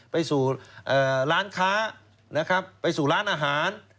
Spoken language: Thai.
ไปสู่ร้านค้านะครับไปสู่ร้านอาหาร